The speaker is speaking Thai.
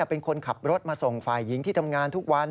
เป็นคนขับรถมาส่งฝ่ายหญิงที่ทำงานทุกวัน